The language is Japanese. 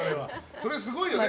それすごいよね。